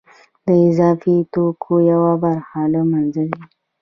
د اضافي توکو یوه برخه له منځه ځي